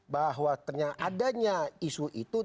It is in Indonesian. bahwa adanya isu itu